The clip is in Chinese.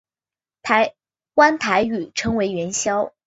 台湾台语称为元宵。